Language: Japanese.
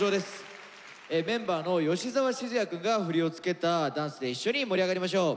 メンバーの吉澤閑也くんが振りを付けたダンスで一緒に盛り上がりましょう。